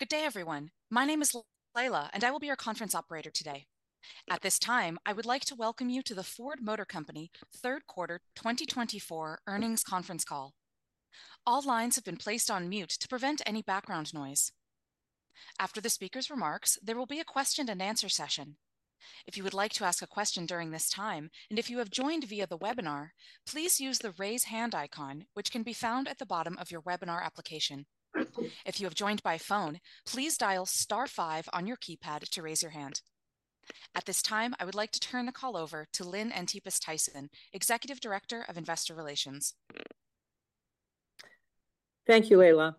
Good day, everyone. My name is Layla, and I will be your conference operator today. At this time, I would like to welcome you to the Ford Motor Company third quarter twenty twenty-four earnings conference call. All lines have been placed on mute to prevent any background noise. After the speaker's remarks, there will be a question and answer session. If you would like to ask a question during this time, and if you have joined via the webinar, please use the Raise Hand icon, which can be found at the bottom of your webinar application. If you have joined by phone, please dial star five on your keypad to raise your hand. At this time, I would like to turn the call over to Lynn Antipas Tyson, Executive Director of Investor Relations. Thank you, Lynn.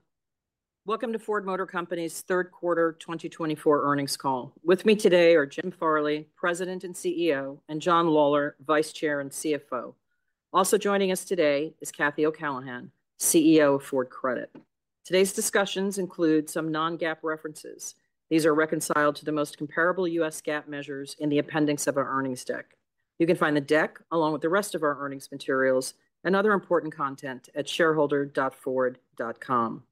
Welcome to Ford Motor Company's third quarter twenty twenty-four earnings call. With me today are Jim Farley, President and CEO, and John Lawler, Vice Chair and CFO. Also joining us today is Cathy O'Callaghan, CEO of Ford Credit. Today's discussions include some non-GAAP references. These are reconciled to the most comparable US GAAP measures in the appendix of our earnings deck. You can find the deck, along with the rest of our earnings materials and other important content at shareholder.ford.com.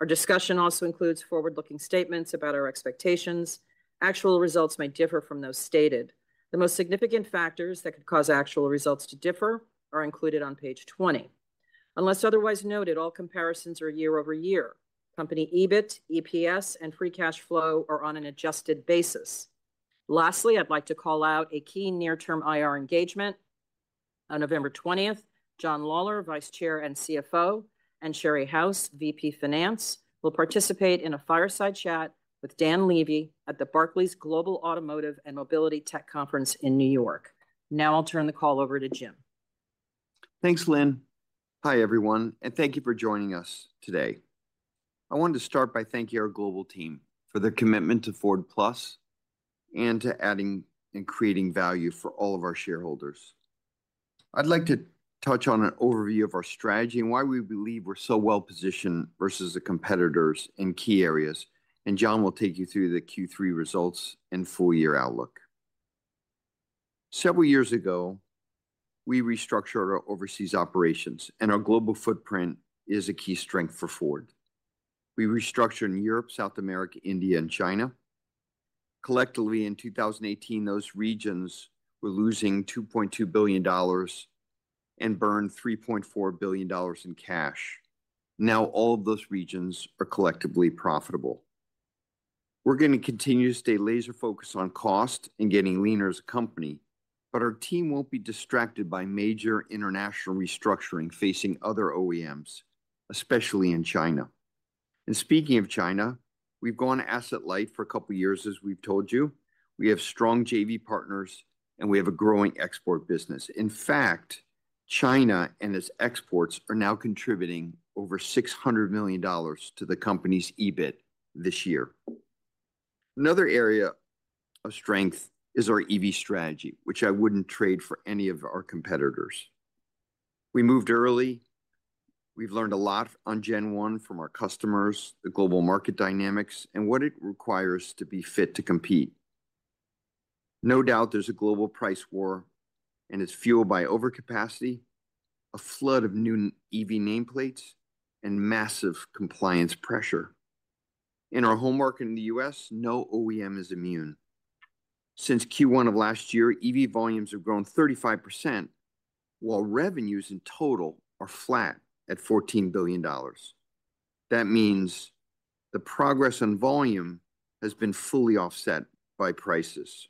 Our discussion also includes forward-looking statements about our expectations. Actual results may differ from those stated. The most significant factors that could cause actual results to differ are included on page twenty. Unless otherwise noted, all comparisons are year-over- year. Company EBIT, EPS, and free cash flow are on an adjusted basis. Lastly, I'd like to call out a key near-term IR engagement. On November twentieth, John Lawler, Vice Chair and CFO, and Sherry House, VP Finance, will participate in a fireside chat with Dan Levy at the Barclays Global Automotive and Mobility Tech Conference in New York. Now I'll turn the call over to Jim. Thanks, Lynn. Hi, everyone, and thank you for joining us today. I wanted to start by thanking our global team for their commitment to Ford+ and to adding and creating value for all of our shareholders. I'd like to touch on an overview of our strategy and why we believe we're so well-positioned versus the competitors in key areas, and John will take you through the Q3 results and full-year outlook. Several years ago, we restructured our overseas operations, and our global footprint is a key strength for Ford. We restructured in Europe, South America, India, and China. Collectively, in 2018, those regions were losing $2.2 billion and burned $3.4 billion in cash. Now all of those regions are collectively profitable. We're going to continue to stay laser-focused on cost and getting leaner as a company, but our team won't be distracted by major international restructuring facing other OEMs, especially in China, and speaking of China, we've gone asset light for a couple of years, as we've told you. We have strong JV partners, and we have a growing export business. In fact, China and its exports are now contributing over $600 million to the company's EBIT this year. Another area of strength is our EV strategy, which I wouldn't trade for any of our competitors. We moved early. We've learned a lot on Gen One from our customers, the global market dynamics, and what it requires to be fit to compete. No doubt, there's a global price war, and it's fueled by overcapacity, a flood of new EV nameplates, and massive compliance pressure. In our home market in the U.S., no OEM is immune. Since Q1 of last year, EV volumes have grown 35%, while revenues in total are flat at $14 billion. That means the progress in volume has been fully offset by prices.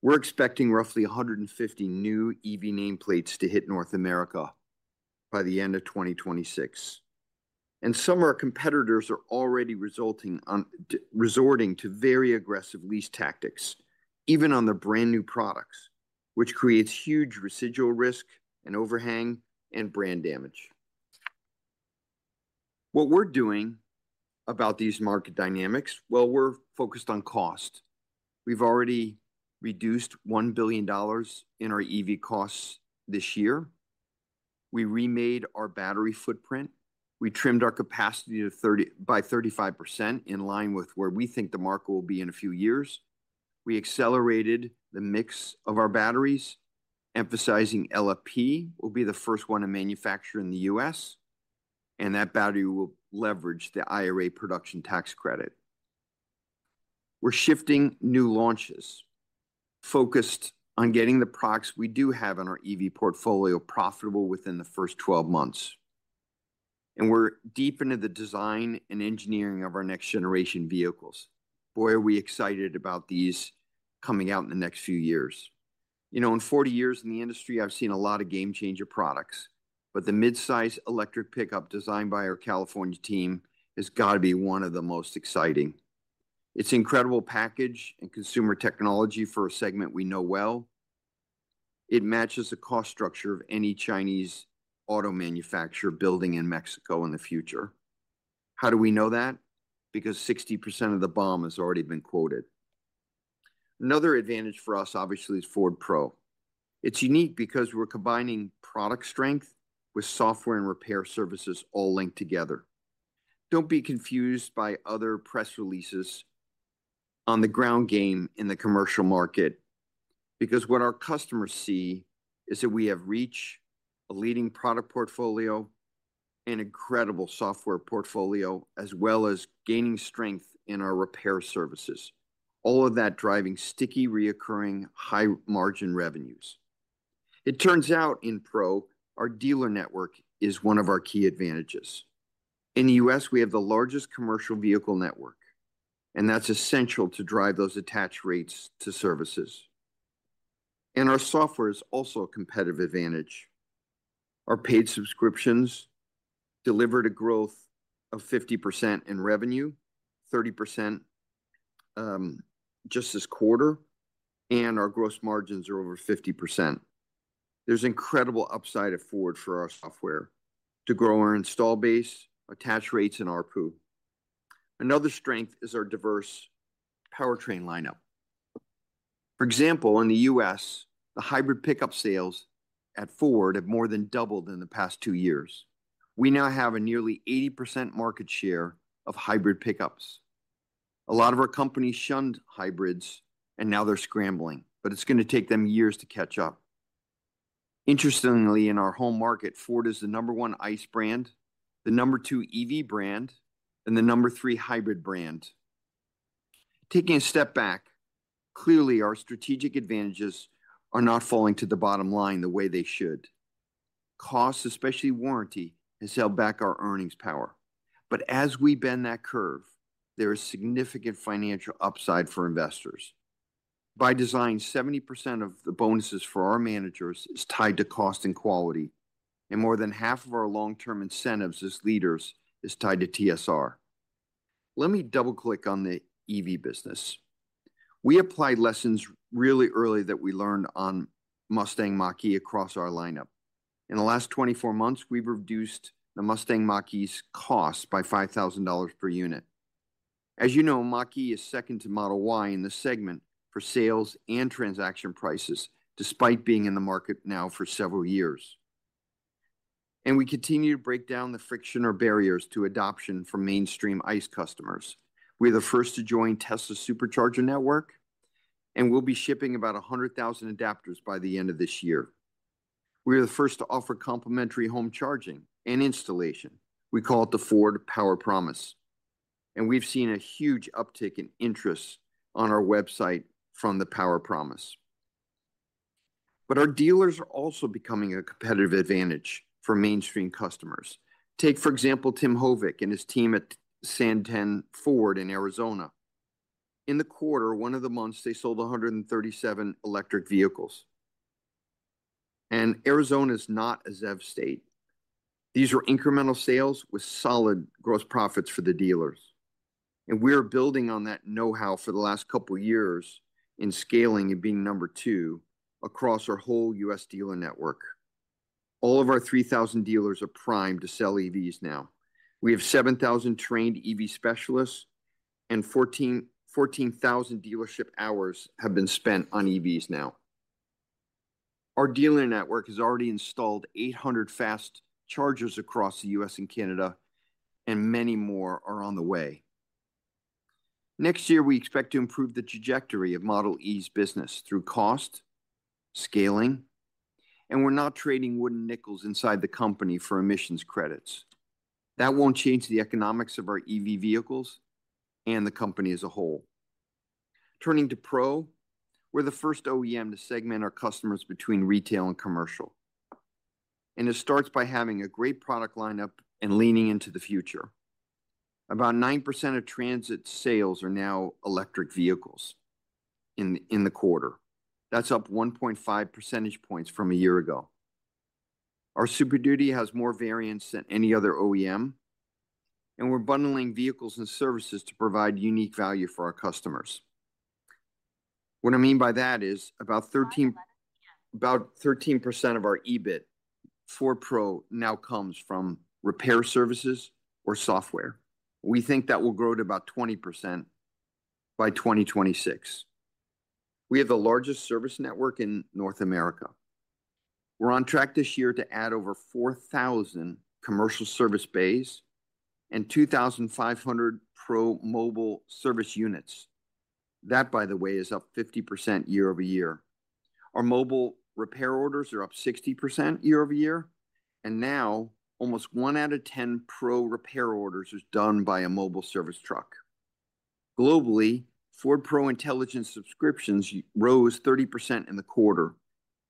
We're expecting roughly 150 new EV nameplates to hit North America by the end of 2026, and some of our competitors are already resorting to very aggressive lease tactics, even on their brand-new products, which creates huge residual risk and overhang and brand damage. What we're doing about these market dynamics, well, we're focused on cost. We've already reduced $1 billion in our EV costs this year. We remade our battery footprint. We trimmed our capacity by 35%, in line with where we think the market will be in a few years. We accelerated the mix of our batteries, emphasizing LFP will be the first one to manufacture in the U.S., and that battery will leverage the IRA production tax credit. We're shifting new launches, focused on getting the products we do have in our EV portfolio profitable within the first twelve months, and we're deep into the design and engineering of our next-generation vehicles. Boy, are we excited about these coming out in the next few years. You know, in forty years in the industry, I've seen a lot of game-changer products, but the mid-size electric pickup designed by our California team has got to be one of the most exciting. It's incredible package and consumer technology for a segment we know well. It matches the cost structure of any Chinese auto manufacturer building in Mexico in the future. How do we know that? Because 60% of the BOM has already been quoted. Another advantage for us, obviously, is Ford Pro. It's unique because we're combining product strength with software and repair services all linked together. Don't be confused by other press releases on the ground game in the commercial market, because what our customers see is that we have reach, a leading product portfolio, an incredible software portfolio, as well as gaining strength in our repair services. All of that driving sticky, recurring, high-margin revenues. It turns out in Pro, our dealer network is one of our key advantages. In the U.S., we have the largest commercial vehicle network, and that's essential to drive those attach rates to services. And our software is also a competitive advantage. Our paid subscriptions delivered a growth of 50% in revenue, 30% just this quarter, and our gross margins are over 50%. There's incredible upside at Ford for our software to grow our install base, attach rates, and ARPU. Another strength is our diverse powertrain lineup. For example, in the U.S., the hybrid pickup sales at Ford have more than doubled in the past two years. We now have a nearly 80% market share of hybrid pickups. A lot of our companies shunned hybrids, and now they're scrambling, but it's going to take them years to catch up. Interestingly, in our home market, Ford is the number one ICE brand, the number two EV brand, and the number three hybrid brand. Taking a step back, clearly, our strategic advantages are not falling to the bottom line the way they should. Costs, especially warranty, has held back our earnings power. But as we bend that curve, there is significant financial upside for investors. By design, 70% of the bonuses for our managers is tied to cost and quality, and more than half of our long-term incentives as leaders is tied to TSR. Let me double-click on the EV business. We applied lessons really early that we learned on Mustang Mach-E across our lineup. In the last 24 months, we've reduced the Mustang Mach-E's cost by $5,000 per unit. As you know, Mach-E is second to Model Y in the segment for sales and transaction prices, despite being in the market now for several years, and we continue to break down the friction or barriers to adoption from mainstream ICE customers. We're the first to join Tesla's Supercharger network, and we'll be shipping about 100,000 adapters by the end of this year. We are the first to offer complimentary home charging and installation. We call it the Ford Power Promise, and we've seen a huge uptick in interest on our website from the Power Promise. But our dealers are also becoming a competitive advantage for mainstream customers. Take, for example, Tim Hovik and his team at San Tan Ford in Arizona. In the quarter, one of the months, they sold 137 electric vehicles, and Arizona is not a ZEV state. These are incremental sales with solid gross profits for the dealers, and we're building on that know-how for the last couple of years in scaling and being number two across our whole U.S. dealer network. All of our 3,000 dealers are primed to sell EVs now. We have 7,000 trained EV specialists and 14,000 dealership hours have been spent on EVs now. Our dealer network has already installed 800 fast chargers across the U.S. and Canada, and many more are on the way. Next year, we expect to improve the trajectory of Model e business through cost, scaling, and we're now trading wooden nickels inside the company for emissions credits. That won't change the economics of our EV vehicles and the company as a whole. Turning to Pro, we're the first OEM to segment our customers between retail and commercial, and it starts by having a great product lineup and leaning into the future. About 9% of Transit sales are now electric vehicles in the quarter. That's up 1.5 percentage points from a year ago. Our Super Duty has more variants than any other OEM, and we're bundling vehicles and services to provide unique value for our customers. What I mean by that is about 13% of our EBIT for Pro now comes from repair services or software. We think that will grow to about 20% by 2026. We have the largest service network in North America. We're on track this year to add over 4,000 commercial service bays and 2,500 Pro mobile service units. That, by the way, is up 50% year-over-year. Our mobile repair orders are up 60% year-over-year, and now almost one out of ten Pro repair orders is done by a mobile service truck. Globally, Ford Pro Intelligence subscriptions rose 30% in the quarter.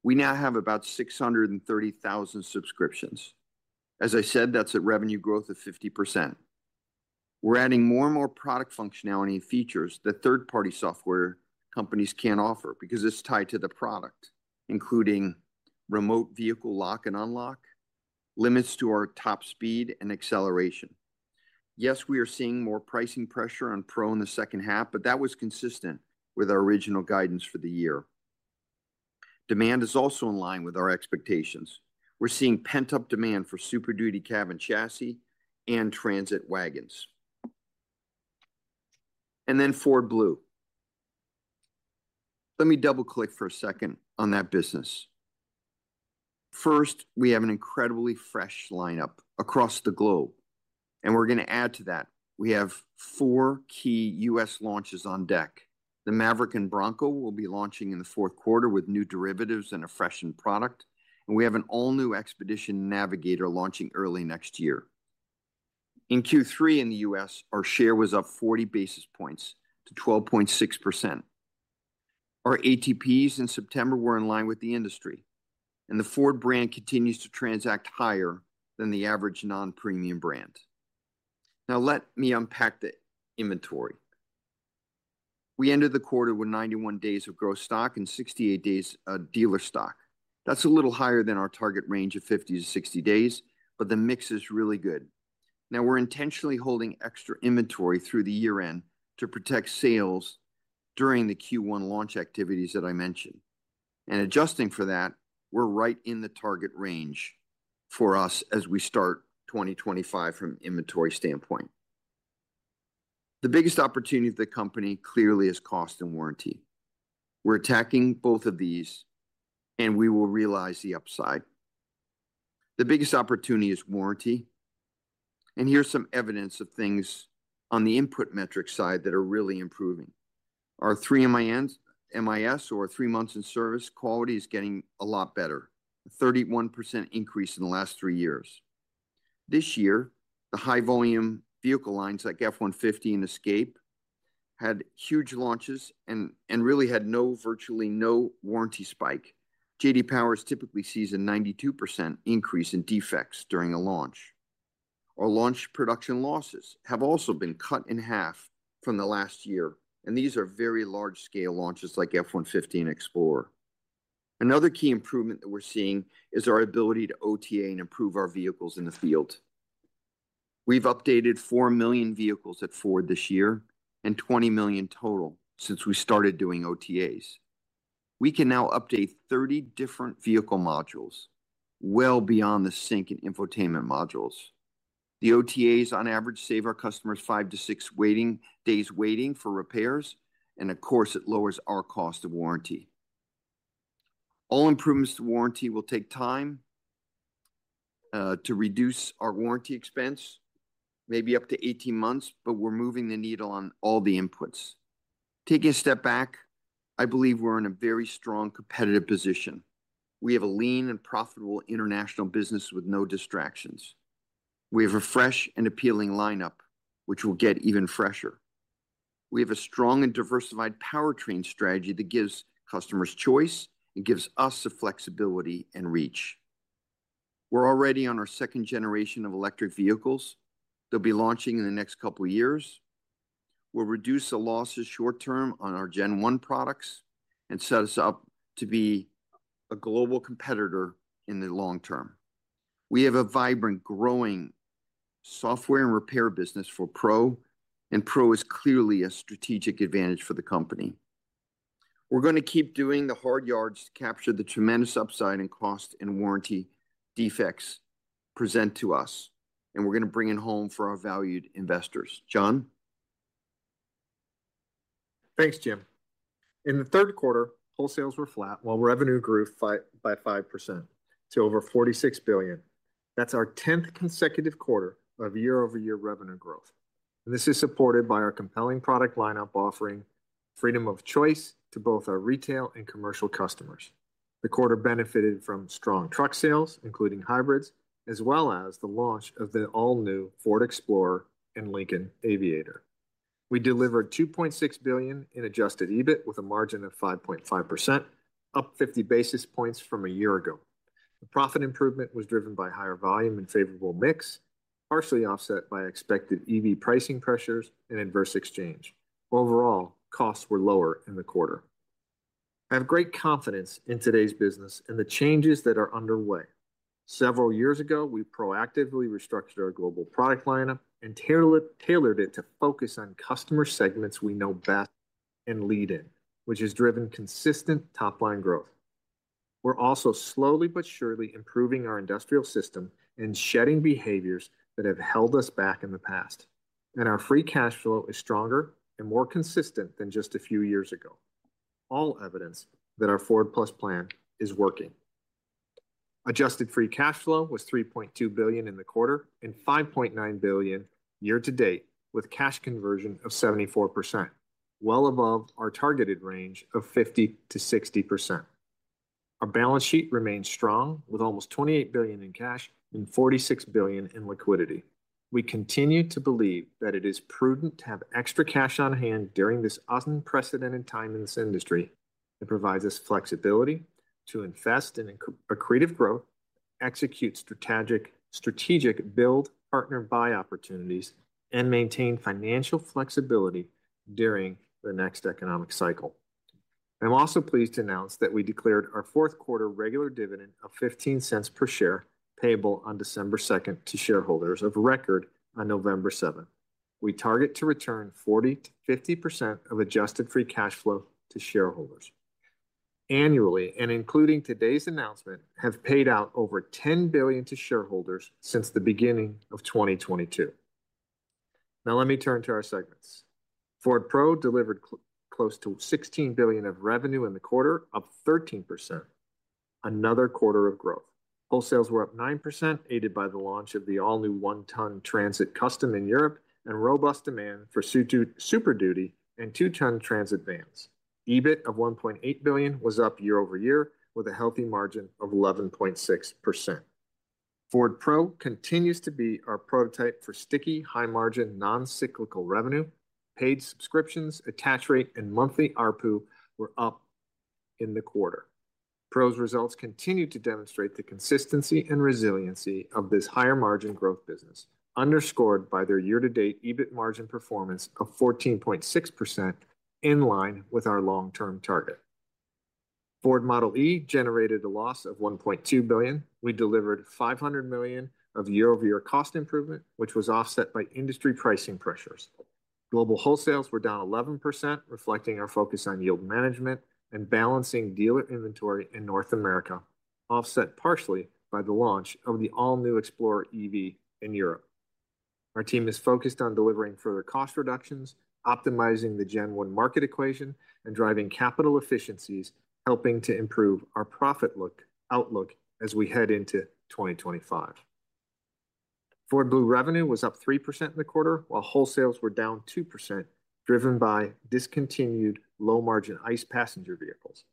We now have about 630,000 subscriptions. As I said, that's a revenue growth of 50%. We're adding more and more product functionality and features that third-party software companies can't offer because it's tied to the product, including remote vehicle lock and unlock, limits to our top speed and acceleration. Yes, we are seeing more pricing pressure on Pro in the second half, but that was consistent with our original guidance for the year. Demand is also in line with our expectations. We're seeing pent-up demand for Super Duty cab and chassis and Transit wagons. And then Ford Blue. Let me double-click for a second on that business. First, we have an incredibly fresh lineup across the globe, and we're going to add to that. We have four key U.S. launches on deck. The Maverick and Bronco will be launching in the fourth quarter with new derivatives and a freshened product, and we have an all-new Expedition, Navigator launching early next year. In Q3 in the U.S., our share was up 40 basis points to 12.6%. Our ATPs in September were in line with the industry, and the Ford brand continues to transact higher than the average non-premium brand. Now, let me unpack the inventory. We ended the quarter with 91 days of gross stock and 68 days of dealer stock. That's a little higher than our target range of 50-60 days, but the mix is really good. Now, we're intentionally holding extra inventory through the year-end to protect sales during the Q1 launch activities that I mentioned. And adjusting for that, we're right in the target range for us as we start 2025 from an inventory standpoint. The biggest opportunity of the company clearly is cost and warranty. We're attacking both of these, and we will realize the upside. The biggest opportunity is warranty, and here's some evidence of things on the input metric side that are really improving. Our three MIS, or three months in service, quality is getting a lot better, 31% increase in the last three years. This year, the high-volume vehicle lines like F-150 and Escape had huge launches and really had no, virtually no warranty spike. J.D. Power typically sees a 92% increase in defects during a launch. Our launch production losses have also been cut in half from the last year, and these are very large-scale launches, like F-150 and Explorer. Another key improvement that we're seeing is our ability to OTA and improve our vehicles in the field. We've updated four million vehicles at Ford this year and twenty million total since we started doing OTAs. We can now update thirty different vehicle modules well beyond the SYNC and infotainment modules. The OTAs, on average, save our customers five to six days waiting for repairs, and of course, it lowers our cost of warranty. All improvements to warranty will take time to reduce our warranty expense, maybe up to eighteen months, but we're moving the needle on all the inputs. Taking a step back, I believe we're in a very strong competitive position. We have a lean and profitable international business with no distractions. We have a fresh and appealing lineup, which will get even fresher. We have a strong and diversified powertrain strategy that gives customers choice and gives us the flexibility and reach. We're already on our second generation of electric vehicles. They'll be launching in the next couple of years. We'll reduce the losses short term on our Gen One products and set us up to be a global competitor in the long term. We have a vibrant, growing software and repair business for Pro, and Pro is clearly a strategic advantage for the company. We're going to keep doing the hard yards to capture the tremendous upside and cost and warranty defects present to us, and we're going to bring it home for our valued investors. John? Thanks, Jim. In the third quarter, wholesales were flat, while revenue grew by 5% to over $46 billion. That's our 10th consecutive quarter of year-over-year revenue growth, and this is supported by our compelling product lineup, offering freedom of choice to both our retail and commercial customers. The quarter benefited from strong truck sales, including hybrids, as well as the launch of the all-new Ford Explorer and Lincoln Aviator. We delivered $2.6 billion in Adjusted EBIT, with a margin of 5.5%, up 50 basis points from a year ago. The profit improvement was driven by higher volume and favorable mix, partially offset by expected EV pricing pressures and adverse exchange. Overall, costs were lower in the quarter. I have great confidence in today's business and the changes that are underway. Several years ago, we proactively restructured our global product lineup and tailored it to focus on customer segments we know best and lead in, which has driven consistent top-line growth. We're also slowly but surely improving our industrial system and shedding behaviors that have held us back in the past, and our free cash flow is stronger and more consistent than just a few years ago. All evidence that our Ford+ plan is working. Adjusted free cash flow was $3.2 billion in the quarter and $5.9 billion year to date, with cash conversion of 74%, well above our targeted range of 50%-60%. Our balance sheet remains strong, with almost $28 billion in cash and $46 billion in liquidity. We continue to believe that it is prudent to have extra cash on hand during this unprecedented time in this industry. It provides us flexibility to invest in accretive growth, execute strategic build, partner, buy opportunities, and maintain financial flexibility during the next economic cycle. I'm also pleased to announce that we declared our fourth-quarter regular dividend of $0.15 per share, payable on December second, to shareholders of record on November seventh. We target to return 40%-50% of adjusted free cash flow to shareholders annually, and including today's announcement, have paid out over $10 billion to shareholders since the beginning of 2022. Now let me turn to our segments. Ford Pro delivered close to $16 billion of revenue in the quarter, up 13%, another quarter of growth. Wholesales were up 9%, aided by the launch of the all-new one-ton Transit Custom in Europe and robust demand for Super Duty and two-ton Transit vans. EBIT of $1.8 billion was up year-over-year, with a healthy margin of 11.6%. Ford Pro continues to be our prototype for sticky, high-margin, non-cyclical revenue. Paid subscriptions, attach rate, and monthly ARPU were up in the quarter. Pro's results continue to demonstrate the consistency and resiliency of this higher-margin growth business, underscored by their year-to-date EBIT margin performance of 14.6%, in line with our long-term target. Ford Model e generated a loss of $1.2 billion. We delivered $500 million of year-over-year cost improvement, which was offset by industry pricing pressures. Global wholesales were down 11%, reflecting our focus on yield management and balancing dealer inventory in North America, offset partially by the launch of the all-new Explorer EV in Europe. Our team is focused on delivering further cost reductions, optimizing the Gen One market equation, and driving capital efficiencies, helping to improve our profit outlook as we head into 2025. Ford Blue revenue was up 3% in the quarter, while wholesales were down 2%, driven by discontinued low-margin ICE passenger vehicles.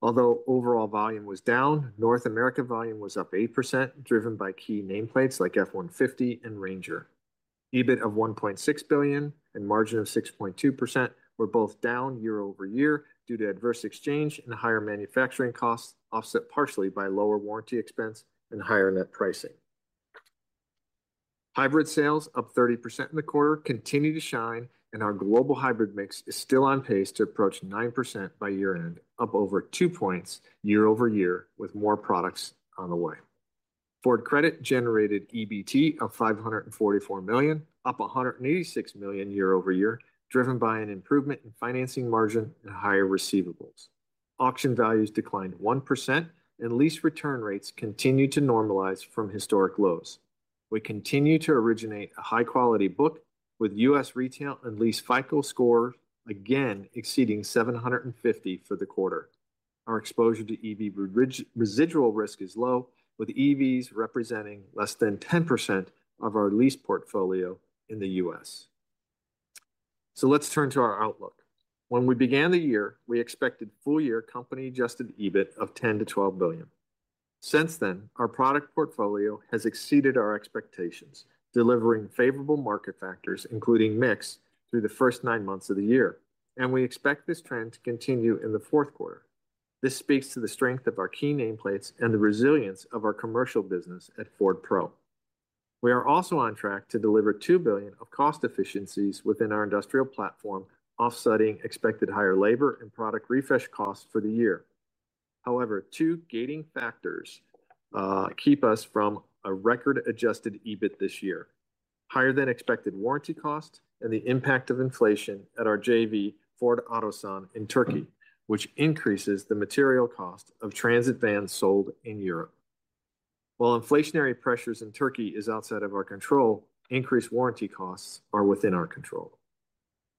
Although overall volume was down, North America volume was up 8%, driven by key nameplates like F-150 and Ranger. EBIT of $1.6 billion and margin of 6.2% were both down year-over-year due to adverse exchange and higher manufacturing costs, offset partially by lower warranty expense and higher net pricing. Hybrid sales, up 30% in the quarter, continue to shine, and our global hybrid mix is still on pace to approach 9% by year-end, up over two points year-over- year, with more products on the way. Ford Credit generated EBT of $544 million, up $186 million year-over-year, driven by an improvement in financing margin and higher receivables. Auction values declined 1%, and lease return rates continue to normalize from historic lows. We continue to originate a high-quality book, with U.S. retail and lease FICO score again exceeding 750 for the quarter. Our exposure to EV residual risk is low, with EVs representing less than 10% of our lease portfolio in the U.S. So let's turn to our outlook. When we began the year, we expected full-year company Adjusted EBIT of $10 billion-$12 billion. Since then, our product portfolio has exceeded our expectations, delivering favorable market factors, including mix, through the first nine months of the year, and we expect this trend to continue in the fourth quarter. This speaks to the strength of our key nameplates and the resilience of our commercial business at Ford Pro. We are also on track to deliver $2 billion of cost efficiencies within our industrial platform, offsetting expected higher labor and product refresh costs for the year. However, two gating factors keep us from a record-Adjusted EBIT this year: higher-than-expected warranty costs and the impact of inflation at our JV, Ford Otosan, in Turkey, which increases the material cost of Transit vans sold in Europe. While inflationary pressures in Turkey is outside of our control, increased warranty costs are within our control.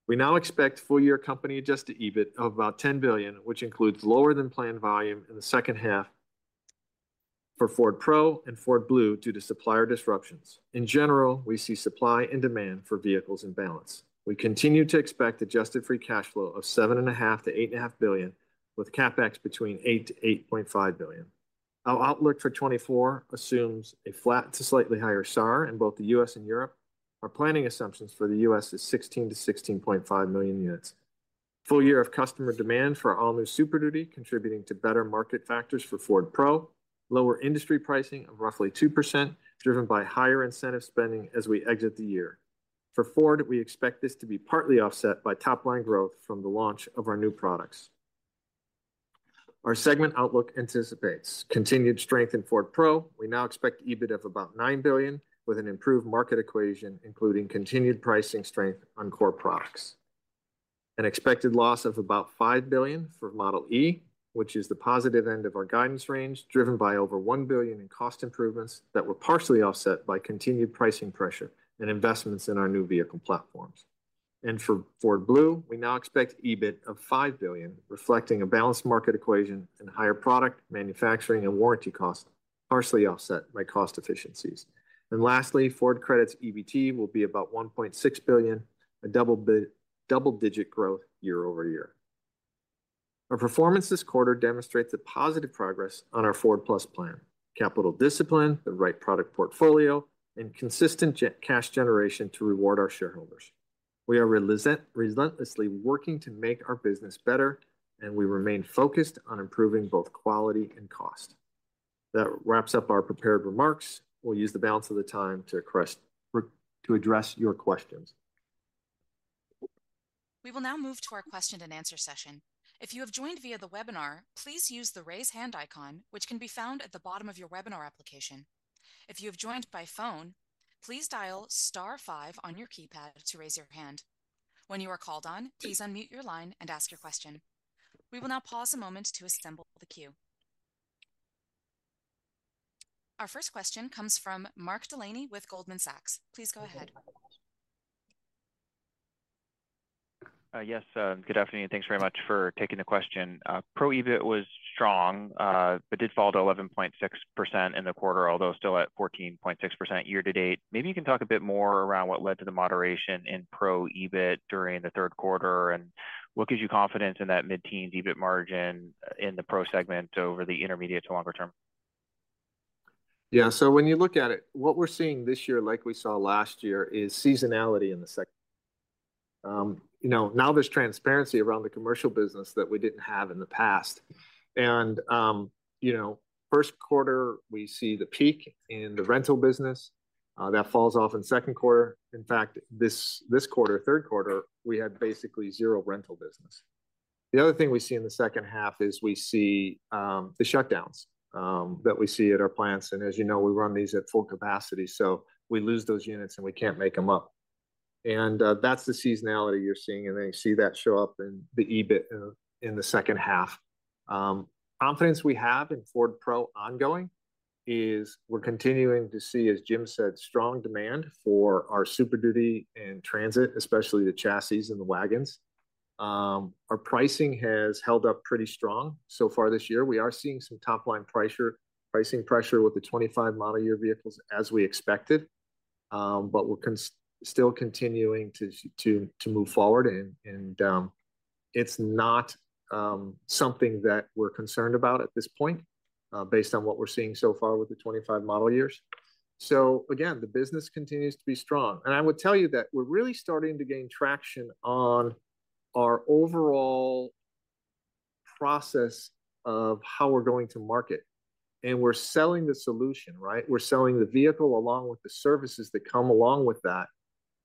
We now expect full-year company Adjusted EBIT of about $10 billion, which includes lower-than-planned volume in the second half for Ford Pro and Ford Blue due to supplier disruptions. In general, we see supply and demand for vehicles in balance. We continue to expect adjusted free cash flow of $7.5 billion-$8.5 billion, with CapEx between $8 billion-$8.5 billion. Our outlook for 2024 assumes a flat to slightly higher SAAR in both the U.S. and Europe. Our planning assumptions for the U.S. is 16 million-16.5 million units. Full year of customer demand for all-new Super Duty, contributing to better market factors for Ford Pro. Lower industry pricing of roughly 2%, driven by higher incentive spending as we exit the year. For Ford, we expect this to be partly offset by top-line growth from the launch of our new products. Our segment outlook anticipates continued strength in Ford Pro. We now expect EBIT of about $9 billion with an improved market equation, including continued pricing strength on core products. An expected loss of about $5 billion for Model e, which is the positive end of our guidance range, driven by over $1 billion in cost improvements that were partially offset by continued pricing pressure and investments in our new vehicle platforms, and for Ford Blue, we now expect EBIT of $5 billion, reflecting a balanced market equation and higher product manufacturing and warranty costs, partially offset by cost efficiencies. And lastly, Ford Credit's EBT will be about $1.6 billion, a double-digit growth year-over-year. Our performance this quarter demonstrates a positive progress on our Ford+ plan, capital discipline, the right product portfolio, and consistent cash generation to reward our shareholders. We are relentlessly working to make our business better, and we remain focused on improving both quality and cost. That wraps up our prepared remarks. We'll use the balance of the time to address your questions. We will now move to our question and answer session. If you have joined via the webinar, please use the Raise Hand icon, which can be found at the bottom of your webinar application. If you have joined by phone, please dial star five on your keypad to raise your hand. When you are called on, please unmute your line and ask your question. We will now pause a moment to assemble the queue. Our first question comes from Mark Delaney with Goldman Sachs. Please go ahead. Yes, good afternoon, and thanks very much for taking the question. Pro EBITDA was strong, but did fall to 11.6% in the quarter, although still at 14.6% year-to-date. Maybe you can talk a bit more around what led to the moderation in pro EBIT during the third quarter, and what gives you confidence in that mid-teen EBIT margin in the pro segment over the intermediate to longer term? Yeah, so when you look at it, what we're seeing this year, like we saw last year, is seasonality in the second. You know, now there's transparency around the commercial business that we didn't have in the past, and you know, first quarter, we see the peak in the rental business that falls off in second quarter. In fact, this quarter, third quarter, we had basically zero rental business. The other thing we see in the second half is we see the shutdowns that we see at our plants, and as you know, we run these at full capacity, so we lose those units, and we can't make them up, and that's the seasonality you're seeing, and then you see that show up in the EBIT in the second half. Confidence we have in Ford Pro ongoing is we're continuing to see, as Jim said, strong demand for our Super Duty and Transit, especially the chassis and the wagons. Our pricing has held up pretty strong so far this year. We are seeing some top-line pricing pressure with the 2025 model year vehicles, as we expected, but we're still continuing to move forward, and it's not something that we're concerned about at this point, based on what we're seeing so far with the 2025 model years. Again, the business continues to be strong, and I would tell you that we're really starting to gain traction on our overall process of how we're going to market, and we're selling the solution, right? We're selling the vehicle along with the services that come along with that.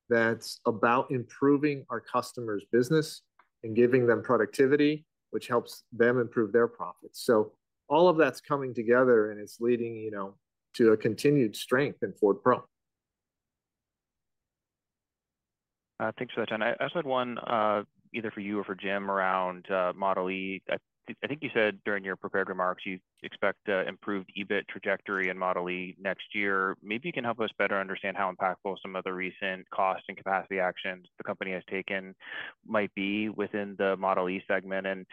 That's about improving our customers' business and giving them productivity, which helps them improve their profits. So all of that's coming together, and it's leading, you know, to a continued strength in Ford Pro. Thanks for that, John. I just had one either for you or for Jim around Model e. I think you said during your prepared remarks, you expect improved EBIT trajectory in Model e next year. Maybe you can help us better understand how impactful some of the recent cost and capacity actions the company has taken might be within the Model e segment. And,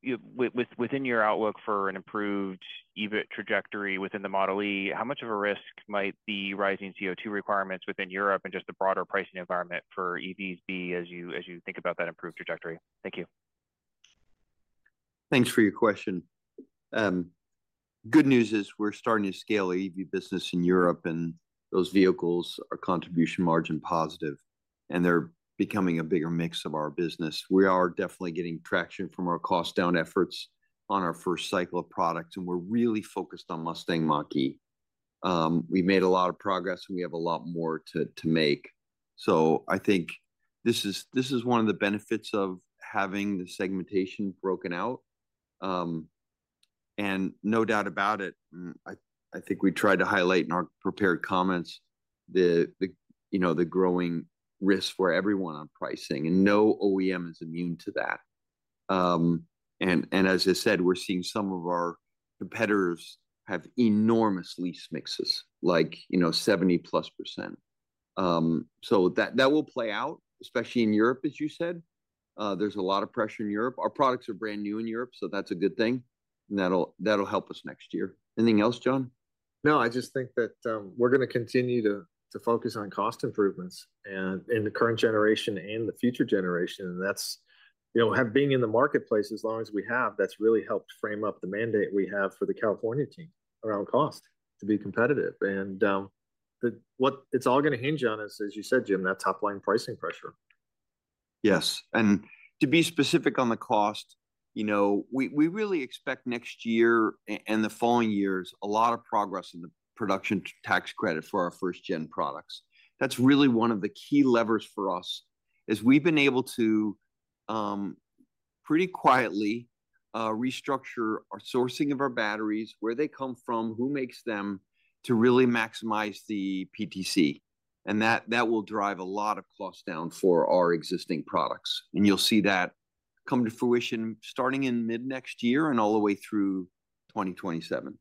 you know, within your outlook for an improved EBIT trajectory within the Model e, how much of a risk might the rising CO2 requirements within Europe and just the broader pricing environment for EVs be, as you think about that improved trajectory? Thank you. Thanks for your question. Good news is we're starting to scale the EV business in Europe, and those vehicles are contribution margin positive, and they're becoming a bigger mix of our business. We are definitely getting traction from our cost down efforts on our first cycle of products, and we're really focused on Mustang Mach-E. We made a lot of progress, and we have a lot more to make, so I think this is one of the benefits of having the segmentation broken out, and no doubt about it, I think we tried to highlight in our prepared comments the you know the growing risk for everyone on pricing, and no OEM is immune to that, and as I said, we're seeing some of our competitors have enormous lease mixes, like you know 70+%. So that will play out, especially in Europe, as you said. There's a lot of pressure in Europe. Our products are brand new in Europe, so that's a good thing, and that'll help us next year. Anything else, John? No, I just think that, we're gonna continue to focus on cost improvements and in the current generation and the future generation, and that's... You know, having been in the marketplace as long as we have, that's really helped frame up the mandate we have for the California team around cost, to be competitive. And, what it's all gonna hinge on is, as you said, Jim, that top-line pricing pressure. Yes, and to be specific on the cost, you know, we really expect next year and the following years a lot of progress in the Production Tax Credit for our first-gen products. That's really one of the key levers for us, is we've been able to pretty quietly restructure our sourcing of our batteries, where they come from, who makes them, to really maximize the PTC, and that will drive a lot of costs down for our existing products. And you'll see that come to fruition starting in mid-next year and all the way through 2027.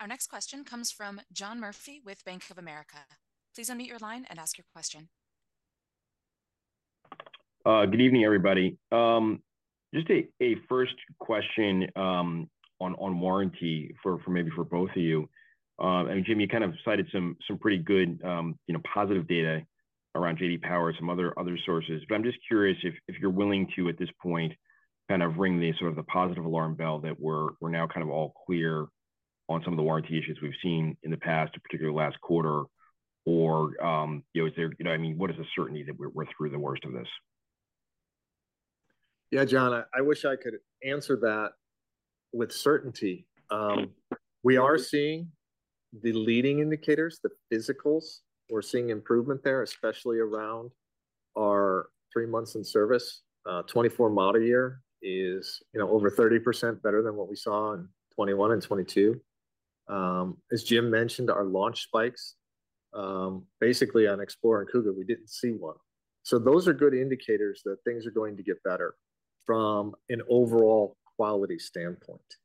Our next question comes from John Murphy with Bank of America. Please unmute your line and ask your question. Good evening, everybody. Just a first question on warranty for maybe both of you. I mean, Jim, you kind of cited some pretty good, you know, positive data around J.D. Power and some other sources. But I'm just curious if you're willing to, at this point, kind of ring the sort of the positive alarm bell that we're now kind of all clear on some of the warranty issues we've seen in the past, particularly last quarter, or, you know, is there. You know, I mean, what is the certainty that we're through the worst of this? Yeah, John, I wish I could answer that with certainty. We are seeing the leading indicators, the physicals. We're seeing improvement there, especially around our three months in service. 2024 model year is, you know, over 30% better than what we saw in 2021 and 2022. As Jim mentioned, our launch spikes, basically on Explorer and Kuga, we didn't see one. So those are good indicators that things are going to get better from an overall quality standpoint.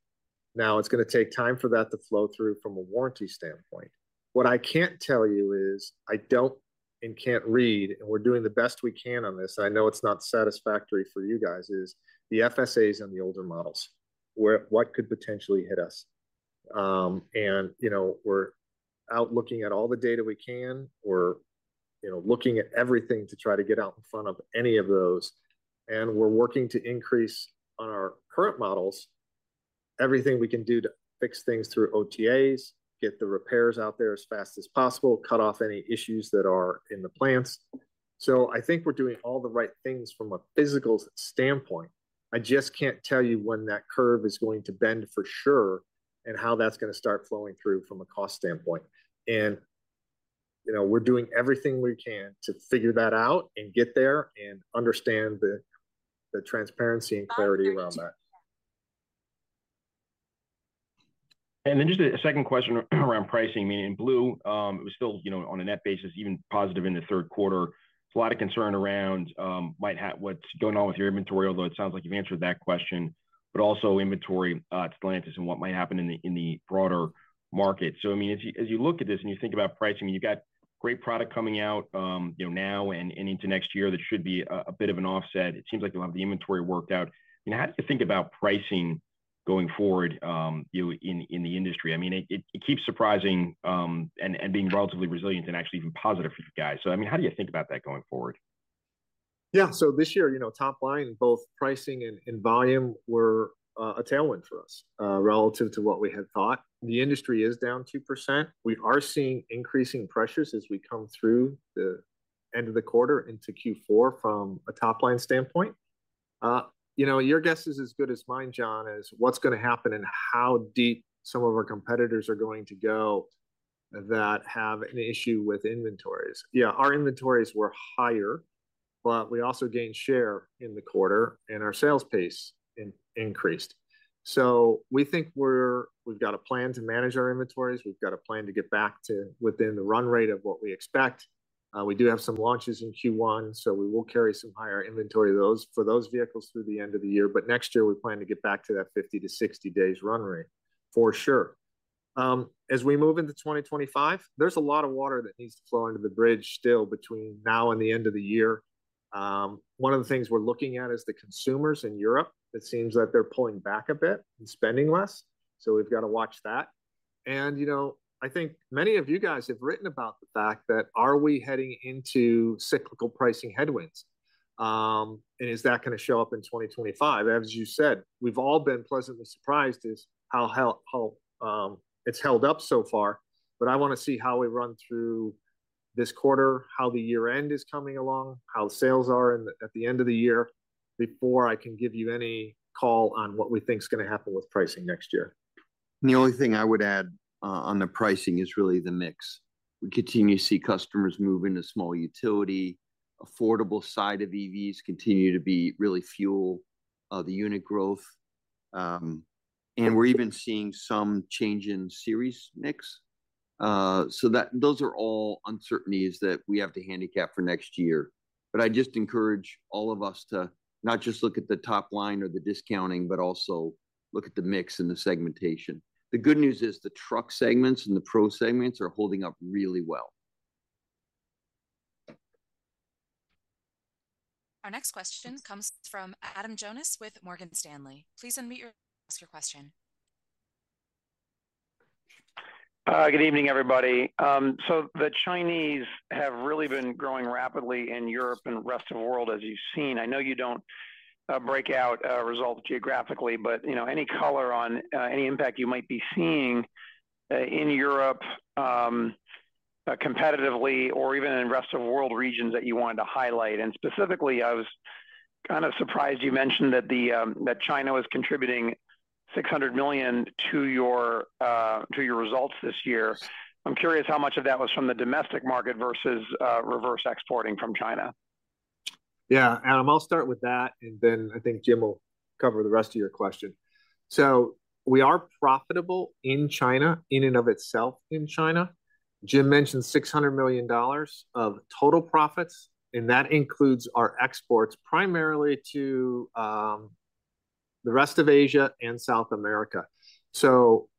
Now, it's gonna take time for that to flow through from a warranty standpoint. What I can't tell you is, I don't and can't read, and we're doing the best we can on this, I know it's not satisfactory for you guys, is the FSAs on the older models, what could potentially hit us. You know, we're out looking at all the data we can. You know, we're looking at everything to try to get out in front of any of those, and we're working to increase on our current models, everything we can do to fix things through OTAs, get the repairs out there as fast as possible, cut off any issues that are in the plants. I think we're doing all the right things from a physical standpoint. I just can't tell you when that curve is going to bend for sure, and how that's gonna start flowing through from a cost standpoint. You know, we're doing everything we can to figure that out and get there, and understand the transparency and clarity around that. And then just a second question around pricing. I mean, in Blue, it was still, you know, on a net basis, even positive in the third quarter. There's a lot of concern around, what's going on with your inventory, although it sounds like you've answered that question, but also inventory, Stellantis and what might happen in the broader market. So I mean, as you look at this and you think about pricing, and you've got great product coming out, you know, now and into next year, that should be a bit of an offset. It seems like you'll have the inventory worked out. You know, how do you think about pricing going forward, you know, in the industry? I mean, it keeps surprising, and being relatively resilient and actually even positive for you guys. So I mean, how do you think about that going forward? Yeah. So this year, you know, top line, both pricing and volume were a tailwind for us relative to what we had thought. The industry is down 2%. We are seeing increasing pressures as we come through the end of the quarter into Q4 from a top-line standpoint. You know, your guess is as good as mine, John, as what's gonna happen and how deep some of our competitors are going to go, that have an issue with inventories. Yeah, our inventories were higher, but we also gained share in the quarter, and our sales pace increased. So we think we've got a plan to manage our inventories, we've got a plan to get back to within the run rate of what we expect. We do have some launches in Q1, so we will carry some higher inventory for those vehicles through the end of the year, but next year, we plan to get back to that 50-60 days run rate, for sure. As we move into 2025, there's a lot of water that needs to flow under the bridge still between now and the end of the year. One of the things we're looking at is the consumers in Europe. It seems that they're pulling back a bit and spending less, so we've got to watch that. And, you know, I think many of you guys have written about the fact that, are we heading into cyclical pricing headwinds? And is that gonna show up in 2025? As you said, we've all been pleasantly surprised how it's held up so far, but I wanna see how we run through this quarter, how the year-end is coming along, how sales are at the end of the year, before I can give you any call on what we think is gonna happen with pricing next year. The only thing I would add on the pricing is really the mix. We continue to see customers move into small utility, affordable side of EVs continue to be really fueling the unit growth, and we're even seeing some change in ICE mix. Those are all uncertainties that we have to handicap for next year, but I just encourage all of us to not just look at the top line or the discounting, but also look at the mix and the segmentation. The good news is, the truck segments and the Pro segments are holding up really well. Our next question comes from Adam Jonas with Morgan Stanley. Please unmute your. Ask your question. Good evening, everybody. So the Chinese have really been growing rapidly in Europe and the rest of the world, as you've seen. I know you don't break out results geographically, but, you know, any color on any impact you might be seeing in Europe competitively, or even in rest of world regions that you wanted to highlight? And specifically, I was kind of surprised you mentioned that China was contributing $600 million to your results this year. I'm curious how much of that was from the domestic market versus reverse exporting from China. Yeah, Adam, I'll start with that, and then I think Jim will cover the rest of your question. So we are profitable in China, in and of itself in China. Jim mentioned $600 million of total profits, and that includes our exports, primarily to the rest of Asia and South America. So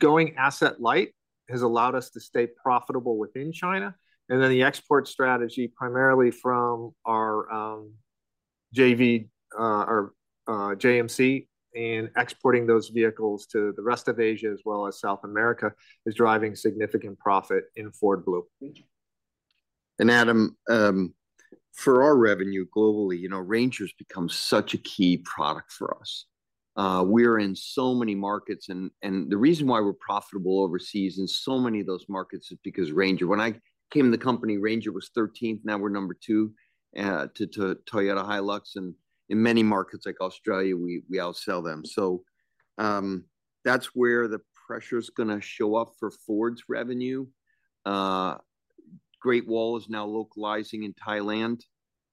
going asset-light has allowed us to stay profitable within China, and then the export strategy, primarily from our JV, or JMC, and exporting those vehicles to the rest of Asia as well as South America, is driving significant profit in Ford Blue. And Adam, for our revenue globally, you know, Ranger has become such a key product for us. We're in so many markets, and the reason why we're profitable overseas in so many of those markets is because Ranger. When I came in the company, Ranger was thirteenth, now we're number two, to Toyota Hilux, and in many markets like Australia, we outsell them. So, that's where the pressure's gonna show up for Ford's revenue. Great Wall is now localizing in Thailand.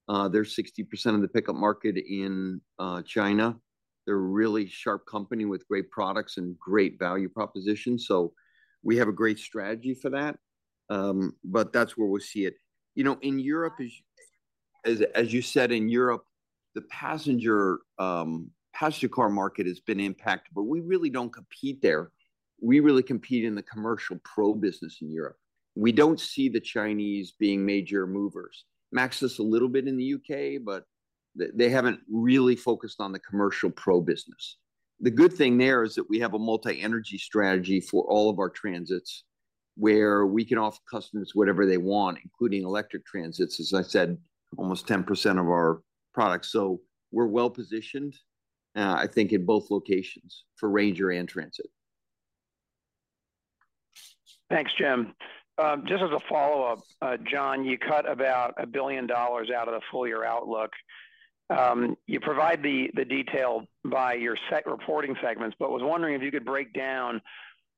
They're 60% of the pickup market in China. They're a really sharp company with great products and great value propositions, so we have a great strategy for that. But that's where we see it. You know, in Europe, as you said, in Europe, the passenger car market has been impacted, but we really don't compete there. We really compete in the commercial pro business in Europe. We don't see the Chinese being major movers. Maxus a little bit in the U.K., but they haven't really focused on the commercial pro business. The good thing there is that we have a multi-energy strategy for all of our Transits, where we can offer customers whatever they want, including electric Transits, as I said, almost 10% of our products. So we're well-positioned, I think in both locations, for Ranger and Transit. Thanks, Jim. Just as a follow-up, John, you cut about $1 billion out of the full-year outlook. You provide the detail by your segment reporting segments, but was wondering if you could break down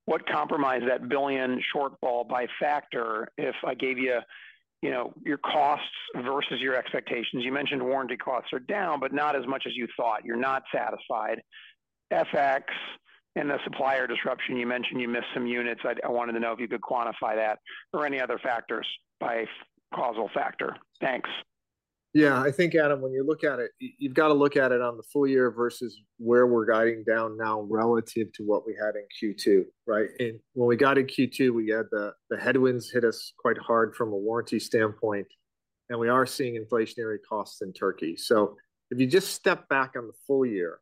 what comprised that $1 billion shortfall by factor, if I gave you, you know, your costs versus your expectations. You mentioned warranty costs are down, but not as much as you thought. You're not satisfied. FX and the supplier disruption, you mentioned you missed some units. I wanted to know if you could quantify that or any other factors by causal factor. Thanks. Yeah, I think, Adam, when you look at it, you've got to look at it on the full year versus where we're guiding down now relative to what we had in Q2, right? And when we got in Q2, we had the headwinds hit us quite hard from a warranty standpoint, and we are seeing inflationary costs in Turkey. So if you just step back on the full year,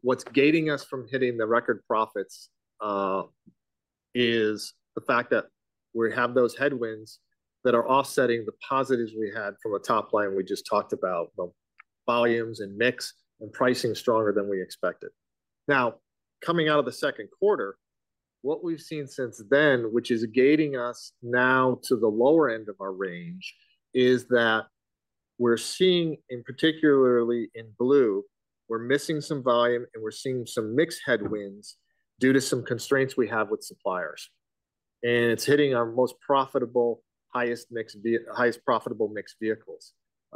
what's gating us from hitting the record profits is the fact that we have those headwinds that are offsetting the positives we had from a top line we just talked about, the volumes and mix and pricing stronger than we expected. Now, coming out of the second quarter, what we've seen since then, which is gating us now to the lower end of our range, is that we're seeing, and particularly in Blue, we're missing some volume, and we're seeing some mixed headwinds due to some constraints we have with suppliers. And it's hitting our most profitable, highest profitable mixed vehicles.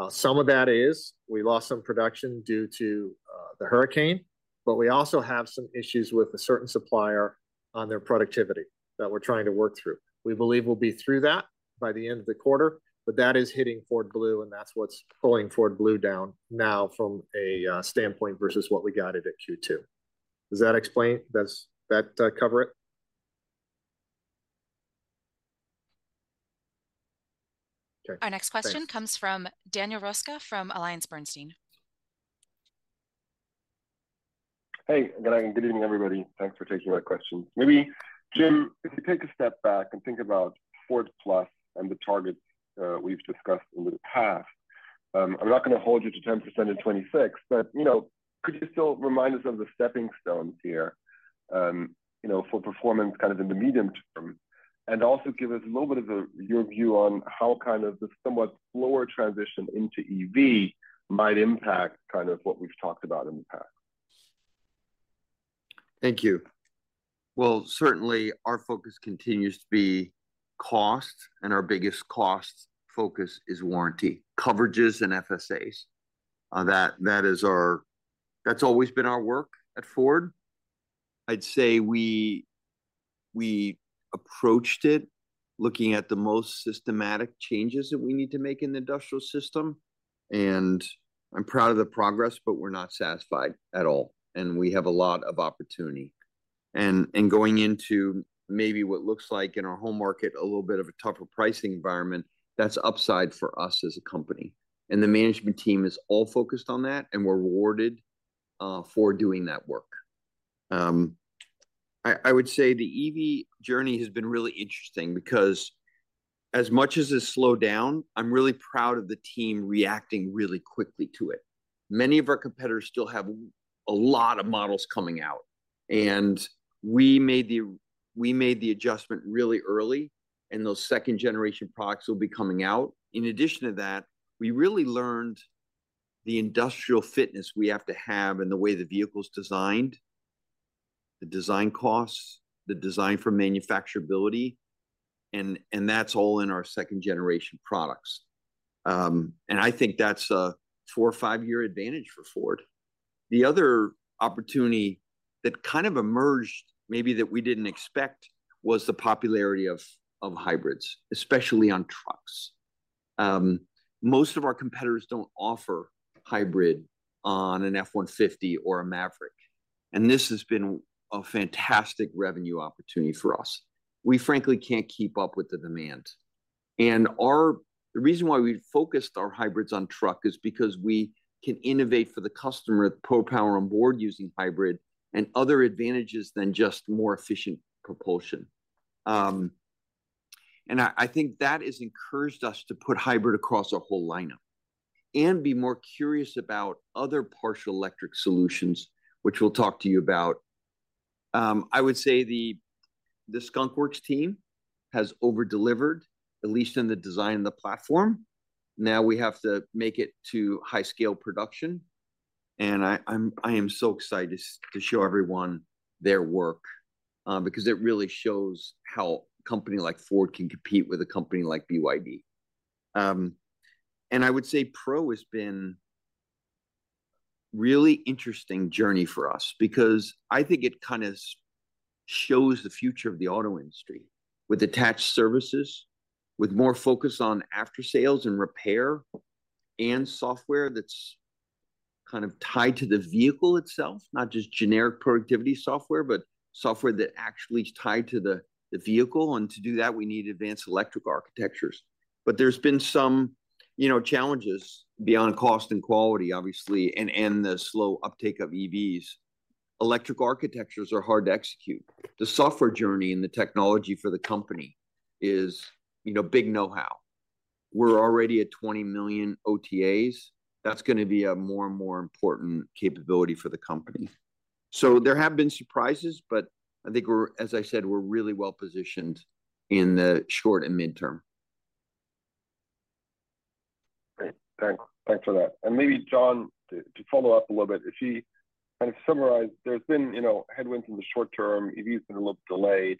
Some of that is we lost some production due to the hurricane, but we also have some issues with a certain supplier on their productivity that we're trying to work through. We believe we'll be through that by the end of the quarter, but that is hitting Ford Blue, and that's what's pulling Ford Blue down now from a standpoint versus what we got it at Q2. Does that cover it? Our next question comes from Daniel Roeska from AllianceBernstein. Hey, good evening, everybody. Thanks for taking my question. Maybe, Jim, if you take a step back and think about Ford+ and the targets we've discussed over the past, I'm not going to hold you to 10% in 2026, but, you know, could you still remind us of the stepping stones here, you know, for performance kind of in the medium term, and also give us a little bit of your view on how kind of the somewhat slower transition into EV might impact kind of what we've talked about in the past? Thank you. Certainly, our focus continues to be cost, and our biggest cost focus is warranty, coverages and FSAs. That is our. That's always been our work at Ford. I'd say we approached it looking at the most systematic changes that we need to make in the industrial system, and I'm proud of the progress, but we're not satisfied at all, and we have a lot of opportunity, and going into maybe what looks like, in our home market, a little bit of a tougher pricing environment, that's upside for us as a company, and the management team is all focused on that, and we're rewarded for doing that work. I would say the EV journey has been really interesting because as much as it's slowed down, I'm really proud of the team reacting really quickly to it. Many of our competitors still have a lot of models coming out, and we made the adjustment really early, and those second-generation products will be coming out. In addition to that, we really learned the industrial fitness we have to have and the way the vehicle's designed, the design costs, the design for manufacturability, and that's all in our second-generation products, and I think that's a four- or five-year advantage for Ford. The other opportunity that kind of emerged, maybe that we didn't expect, was the popularity of hybrids, especially on trucks. Most of our competitors don't offer hybrid on an F-150 or a Maverick, and this has been a fantastic revenue opportunity for us. We frankly can't keep up with the demand. The reason why we focused our hybrids on truck is because we can innovate for the customer with Pro Power Onboard using hybrid and other advantages than just more efficient propulsion. And I think that has encouraged us to put hybrid across our whole lineup and be more curious about other partial electric solutions, which we'll talk to you about. I would say the Skunk Works team has over-delivered, at least in the design of the platform. Now we have to make it to high-scale production. I am so excited to show everyone their work, because it really shows how a company like Ford can compete with a company like BYD. And I would say Pro has been really interesting journey for us, because I think it kind of shows the future of the auto industry, with attached services, with more focus on aftersales and repair, and software that's kind of tied to the vehicle itself, not just generic productivity software, but software that actually is tied to the vehicle. And to do that, we need advanced electric architectures. But there's been some, you know, challenges beyond cost and quality, obviously, and the slow uptake of EVs. Electric architectures are hard to execute. The software journey and the technology for the company is, you know, big know-how. We're already at 20 million OTAs. That's gonna be a more and more important capability for the company. So there have been surprises, but I think we're, as I said, we're really well-positioned in the short and midterm. Great. Thanks for that. And maybe, John, to follow up a little bit, if you kind of summarize, there's been, you know, headwinds in the short term, EVs have been a little delayed,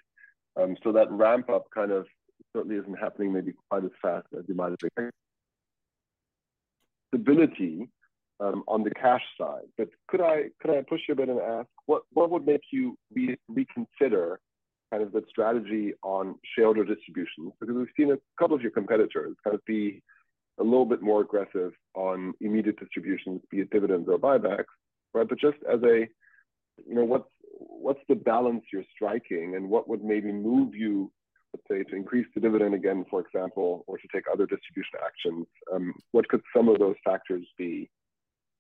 so that ramp-up kind of certainly isn't happening maybe quite as fast as you might have expected... stability on the cash side. But could I push you a bit and ask, what would make you reconsider kind of the strategy on shareholder distribution? Because we've seen a couple of your competitors kind of be a little bit more aggressive on immediate distributions, be it dividends or buybacks, right? But just as a, you know, what's the balance you're striking, and what would maybe move you, let's say, to increase the dividend again, for example, or to take other distribution actions? What could some of those factors be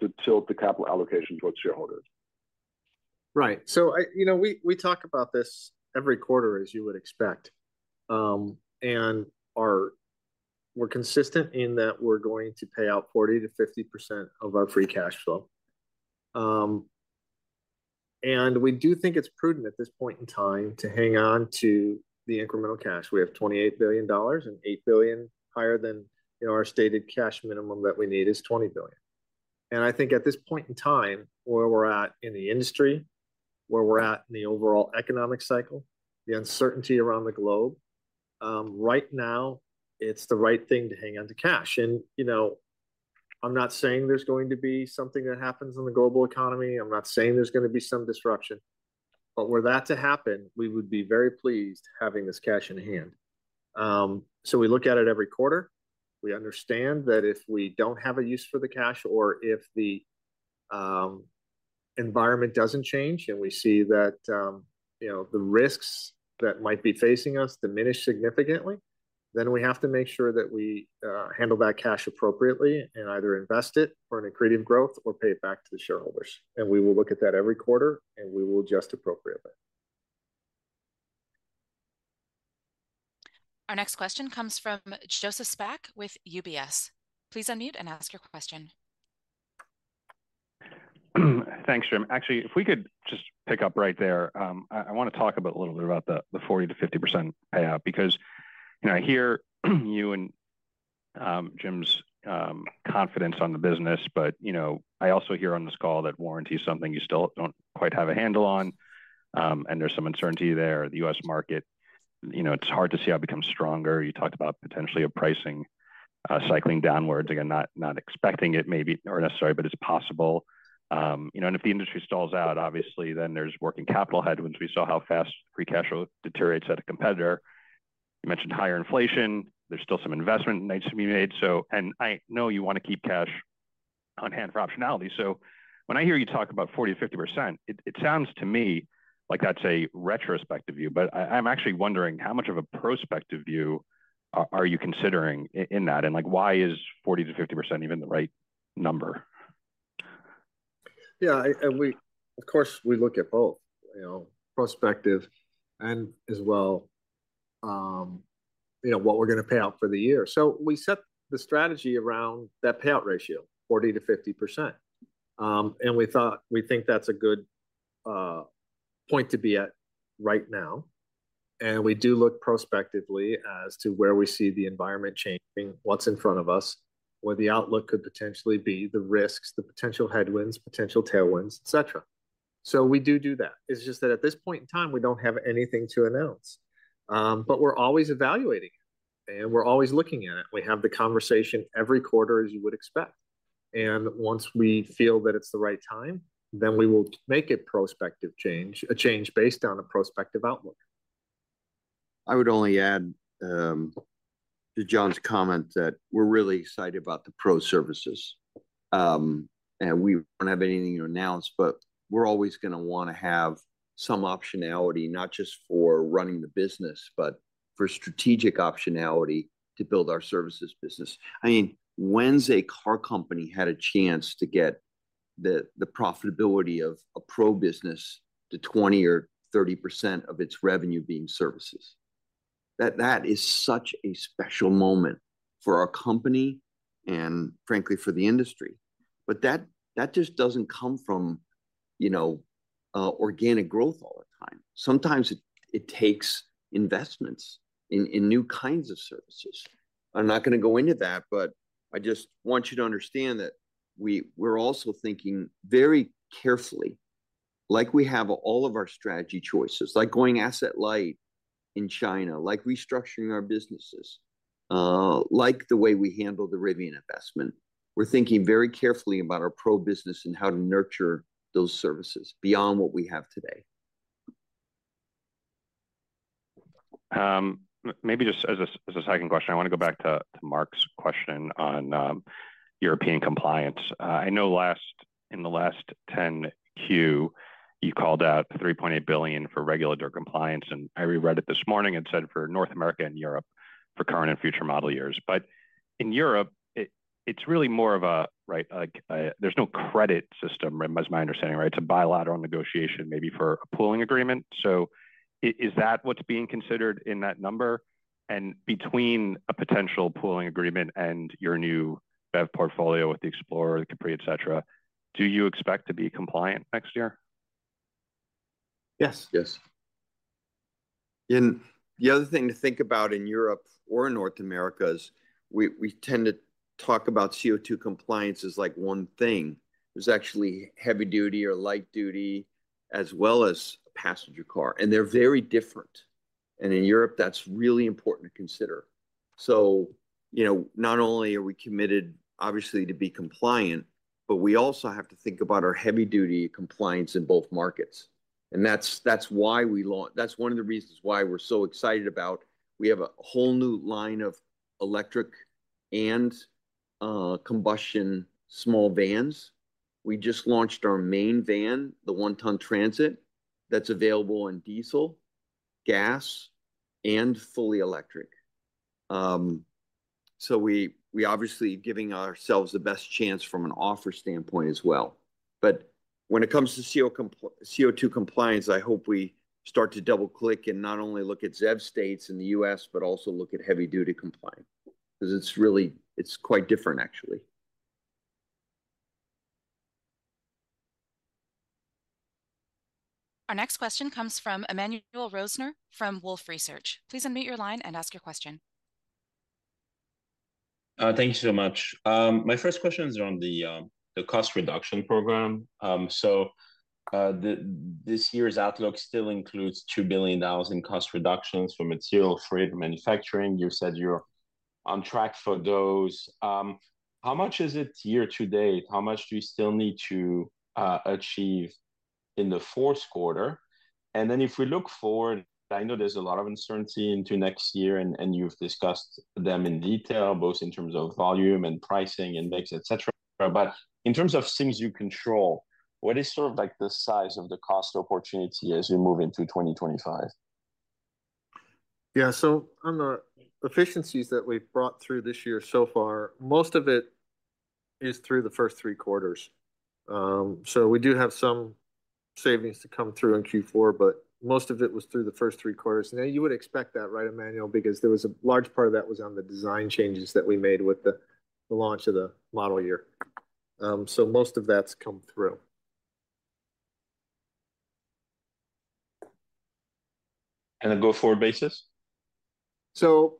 to tilt the capital allocation towards shareholders? Right. You know, we talk about this every quarter, as you would expect. We're consistent in that we're going to pay out 40%-50% of our free cash flow. We do think it's prudent at this point in time to hang on to the incremental cash. We have $28 billion, and $8 billion higher than, you know, our stated cash minimum that we need is $20 billion. And I think at this point in time, where we're at in the industry, where we're at in the overall economic cycle, the uncertainty around the globe, right now, it's the right thing to hang on to cash. You know, I'm not saying there's going to be something that happens in the global economy. I'm not saying there's gonna be some disruption, but were that to happen, we would be very pleased having this cash in hand. So we look at it every quarter. We understand that if we don't have a use for the cash, or if the environment doesn't change, and we see that you know, the risks that might be facing us diminish significantly, then we have to make sure that we handle that cash appropriately, and either invest it, or in accretive growth, or pay it back to the shareholders. We will look at that every quarter, and we will adjust appropriately. Our next question comes from Joseph Spak with UBS. Please unmute and ask your question. Thanks, Jim. Actually, if we could just pick up right there, I wanna talk about a little bit about the 40%-50% payout, because, you know, I hear you and Jim's confidence on the business, but, you know, I also hear on this call that warranty is something you still don't quite have a handle on, and there's some uncertainty there. The U.S. market, you know, it's hard to see how it becomes stronger. You talked about potentially a pricing cycling downwards. Again, not expecting it maybe, or necessarily, but it's possible. You know, and if the industry stalls out, obviously, then there's working capital headwinds. We saw how fast free cash flow deteriorates at a competitor. You mentioned higher inflation. There's still some investment that needs to be made. And I know you wanna keep cash on hand for optionality. So when I hear you talk about 40%-50%, it sounds to me like that's a retrospective view. But I'm actually wondering, how much of a prospective view are you considering in that? And, like, why is 40%-50% even the right number? Yeah, and we of course look at both, you know, prospective and as well, you know, what we're gonna pay out for the year. So we set the strategy around that payout ratio, 40%-50%. And we think that's a good point to be at right now, and we do look prospectively as to where we see the environment changing, what's in front of us, where the outlook could potentially be, the risks, the potential headwinds, potential tailwinds, et cetera. So we do do that. It's just that at this point in time, we don't have anything to announce. But we're always evaluating, and we're always looking at it. We have the conversation every quarter, as you would expect, and once we feel that it's the right time, then we will make a prospective change, a change based on a prospective outlook. I would only add to John's comment, that we're really excited about the Pro services, and we don't have anything to announce, but we're always gonna wanna have some optionality, not just for running the business, but for strategic optionality to build our services business. I mean, when's a car company had a chance to get the profitability of a Pro business to 20% or 30% of its revenue being services? That is such a special moment for our company, and frankly, for the industry, but that just doesn't come from you know, organic growth all the time. Sometimes it takes investments in new kinds of services. I'm not going to go into that, but I just want you to understand that we're also thinking very carefully, like we have all of our strategy choices, like going asset light in China, like restructuring our businesses, like the way we handle the Rivian investment. We're thinking very carefully about our Pro business and how to nurture those services beyond what we have today. Maybe just as a second question, I want to go back to Mark's question on European compliance. I know in the last 10-Q, you called out $3.8 billion for regulatory compliance, and I reread it this morning. It said, "For North America and Europe, for current and future model years." But in Europe, it's really more of a right, like a there's no credit system, to my understanding, right? It's a bilateral negotiation, maybe for a pooling agreement. So is that what's being considered in that number? And between a potential pooling agreement and your new BEV portfolio with the Explorer, the Capri, et cetera, do you expect to be compliant next year? Yes, yes, and the other thing to think about in Europe or North America is we tend to talk about CO2 compliance as, like, one thing. There's actually heavy duty or light duty, as well as passenger car, and they're very different. In Europe, that's really important to consider. So, you know, not only are we committed, obviously, to be compliant, but we also have to think about our heavy duty compliance in both markets. That's why we launch. That's one of the reasons why we're so excited about. We have a whole new line of electric and combustion small vans. We just launched our main van, the one-ton Transit, that's available in diesel, gas, and fully electric. So we obviously giving ourselves the best chance from an offer standpoint as well. But when it comes to CO2 compliance, I hope we start to double-click and not only look at ZEV states in the U.S., but also look at heavy-duty compliant, because it's really quite different actually. Our next question comes from Emmanuel Rosner from Wolfe Research. Please unmute your line and ask your question. Thank you so much. My first question is on the cost reduction program. So, this year's outlook still includes $2 billion in cost reductions for material, freight, and manufacturing. You said you're on track for those. How much is it year to date? How much do you still need to achieve in the fourth quarter? And then, if we look forward, I know there's a lot of uncertainty into next year, and you've discussed them in detail, both in terms of volume and pricing, mix, etc. But in terms of things you control, what is sort of like the size of the cost opportunity as we move into 2025? Yeah, so on the efficiencies that we've brought through this year so far, most of it is through the first three quarters, so we do have some savings to come through in Q4, but most of it was through the first three quarters, and you would expect that, right, Emmanuel? Because there was a large part of that was on the design changes that we made with the launch of the model year, so most of that's come through. And a go-forward basis? So,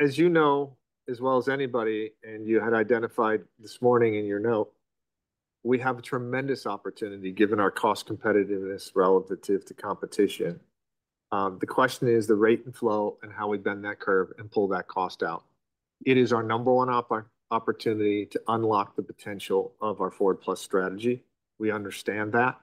as you know, as well as anybody, and you had identified this morning in your note, we have a tremendous opportunity, given our cost competitiveness relative to competition. The question is the rate and flow and how we bend that curve and pull that cost out. It is our number one opportunity to unlock the potential of our Ford+ strategy. We understand that,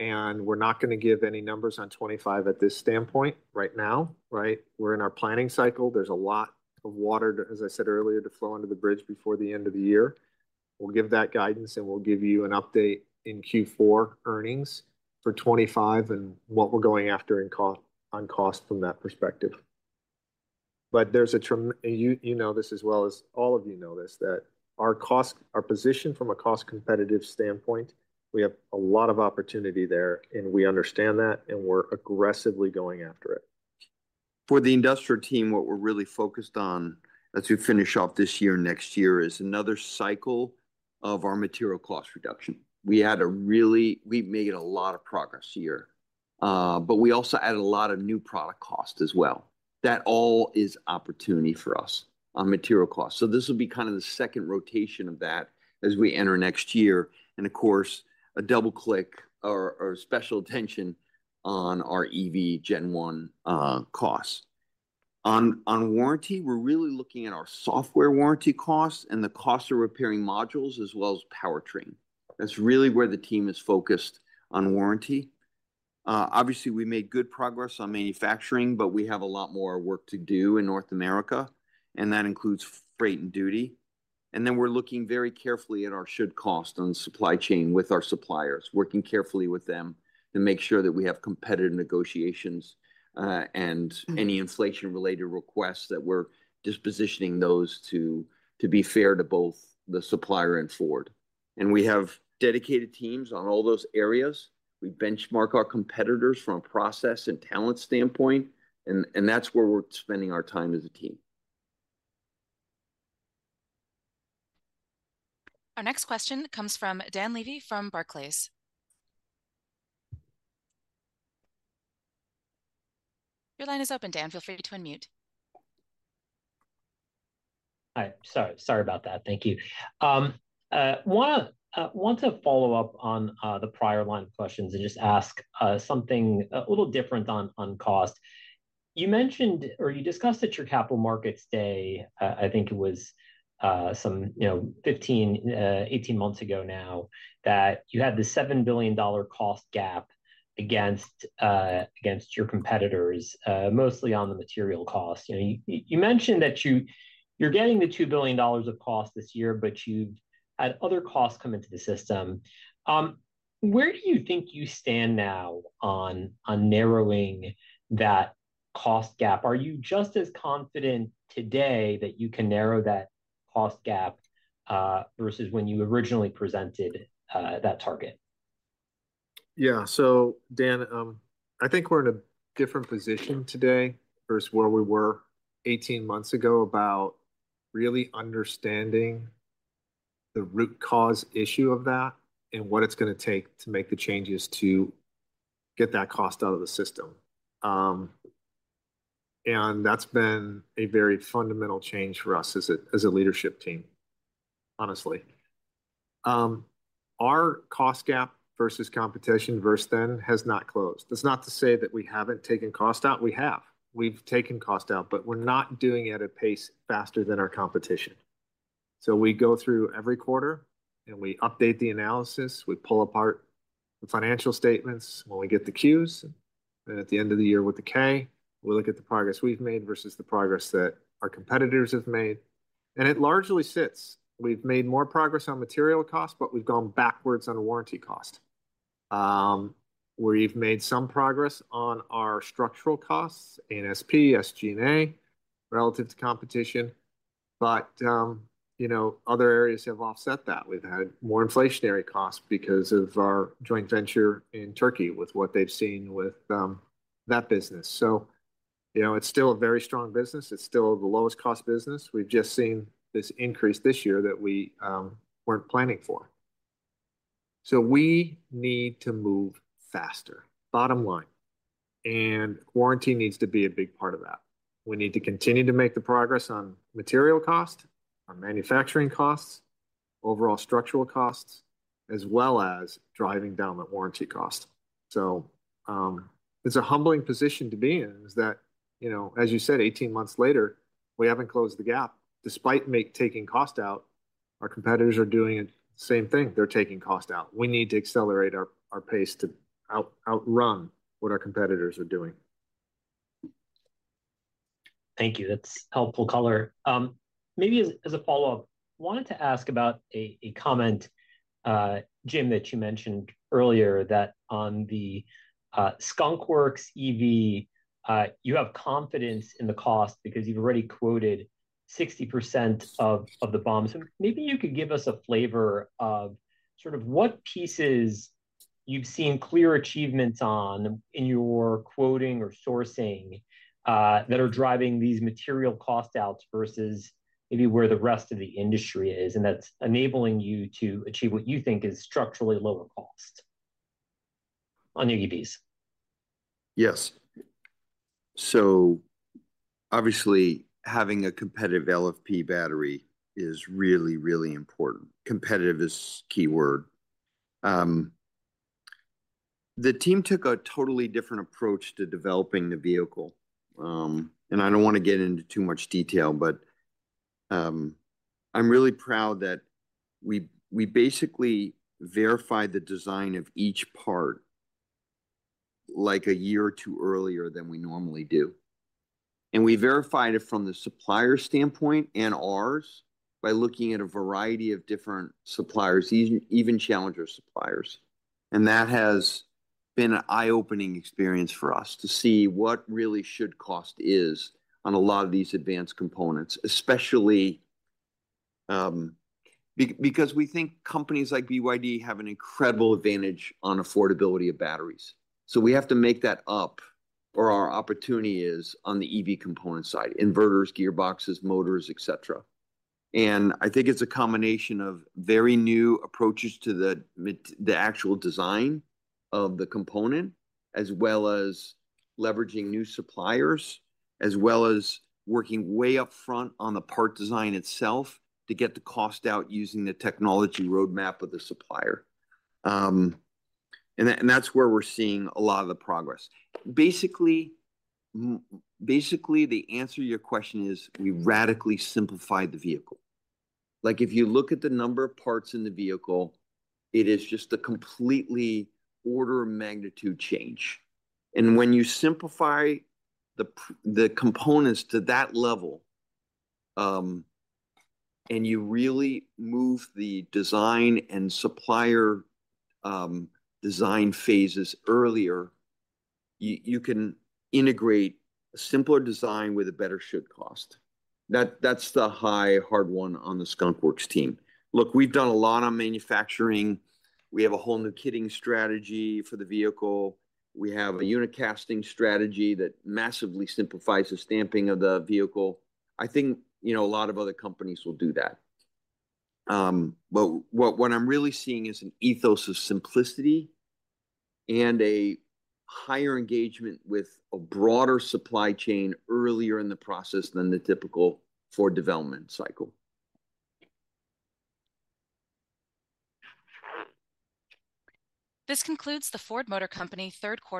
and we're not going to give any numbers on 2025 at this standpoint right now, right? We're in our planning cycle. There's a lot of water, as I said earlier, to flow under the bridge before the end of the year. We'll give that guidance, and we'll give you an update in Q4 earnings for 2025 and what we're going after on cost from that perspective. But there's a tremendous opportunity. You know this as well as all of you know this, that our cost position from a cost-competitive standpoint, we have a lot of opportunity there, and we understand that, and we're aggressively going after it. For the industrial team, what we're really focused on as we finish off this year, next year, is another cycle of our material cost reduction. We had a really. We've made a lot of progress here, but we also added a lot of new product cost as well. That all is opportunity for us on material cost. So this will be kind of the second rotation of that as we enter next year, and of course, a double click or special attention on our EV Gen One costs. On warranty, we're really looking at our software warranty costs and the cost of repairing modules, as well as powertrain. That's really where the team is focused on warranty. Obviously, we made good progress on manufacturing, but we have a lot more work to do in North America, and that includes freight and duty. And then we're looking very carefully at our should cost on supply chain with our suppliers, working carefully with them to make sure that we have competitive negotiations, and any inflation-related requests, that we're dispositioning those to be fair to both the supplier and Ford. And we have dedicated teams on all those areas. We benchmark our competitors from a process and talent standpoint, and that's where we're spending our time as a team. Our next question comes from Dan Levy from Barclays. Your line is open, Dan. Feel free to unmute. Hi. Sorry, sorry about that. Thank you. Want to follow up on the prior line of questions and just ask something a little different on cost. You mentioned or you discussed at your Capital Markets Day, I think it was some, you know, fifteen eighteen months ago now, that you had this $7 billion cost gap against your competitors, mostly on the material cost. You know, you mentioned that you're getting the $2 billion of cost this year, but you've had other costs come into the system. Where do you think you stand now on narrowing that cost gap? Are you just as confident today that you can narrow that cost gap versus when you originally presented that target? Yeah. So, Dan, I think we're in a different position today versus where we were eighteen months ago, about really understanding the root cause issue of that and what it's going to take to make the changes to get that cost out of the system. And that's been a very fundamental change for us as a leadership team, honestly. Our cost gap versus competition versus then has not closed. That's not to say that we haven't taken cost out. We have. We've taken cost out, but we're not doing it at a pace faster than our competition. So we go through every quarter, and we update the analysis. We pull apart the financial statements when we get the Qs, and at the end of the year with the K, we look at the progress we've made versus the progress that our competitors have made, and it largely sits. We've made more progress on material cost, but we've gone backwards on the warranty cost. We've made some progress on our structural costs, A&SP, SG&A, relative to competition, but, you know, other areas have offset that. We've had more inflationary costs because of our joint venture in Turkey with what they've seen with that business. So, you know, it's still a very strong business. It's still the lowest cost business. We've just seen this increase this year that we weren't planning for. So we need to move faster, bottom line, and warranty needs to be a big part of that. We need to continue to make the progress on material cost, on manufacturing costs, overall structural costs, as well as driving down the warranty cost. So, it's a humbling position to be in, is that, you know, as you said, eighteen months later, we haven't closed the gap. Despite taking cost out, our competitors are doing the same thing, they're taking cost out. We need to accelerate our pace to outrun what our competitors are doing. Thank you. That's helpful color. Maybe as a follow-up, I wanted to ask about a comment, Jim, that you mentioned earlier, that on the Skunk Works EV, you have confidence in the cost because you've already quoted 60% of the BOM. So maybe you could give us a flavor of sort of what pieces you've seen clear achievements on in your quoting or sourcing, that are driving these material cost outs versus maybe where the rest of the industry is, and that's enabling you to achieve what you think is structurally lower cost on your EVs. Yes. So obviously, having a competitive LFP battery is really, really important. Competitive is key word. The team took a totally different approach to developing the vehicle. And I don't want to get into too much detail, but, I'm really proud that we basically verified the design of each part like a year or two earlier than we normally do. And we verified it from the supplier standpoint and ours, by looking at a variety of different suppliers, even challenger suppliers. And that has been an eye-opening experience for us to see what really should cost is on a lot of these advanced components. Especially, because we think companies like BYD have an incredible advantage on affordability of batteries. So we have to make that up, or our opportunity is on the EV component side, inverters, gearboxes, motors, etc. And I think it's a combination of very new approaches to the actual design of the component, as well as leveraging new suppliers, as well as working way up front on the part design itself to get the cost out using the technology roadmap of the supplier. And that's where we're seeing a lot of the progress. Basically, the answer to your question is, we radically simplified the vehicle. Like, if you look at the number of parts in the vehicle, it is just a completely order of magnitude change. And when you simplify the components to that level, and you really move the design and supplier design phases earlier, you can integrate a simpler design with a better should cost. That's the high hard one on the Skunk Works team. Look, we've done a lot on manufacturing. We have a whole new kitting strategy for the vehicle. We have a unit casting strategy that massively simplifies the stamping of the vehicle. I think, you know, a lot of other companies will do that. But what I'm really seeing is an ethos of simplicity and a higher engagement with a broader supply chain earlier in the process than the typical Ford development cycle. This concludes the Ford Motor Company third quarter.